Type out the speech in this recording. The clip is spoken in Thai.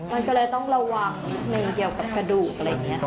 มันก็เลยต้องระวังนิดนึงเกี่ยวกับกระดูกอะไรอย่างนี้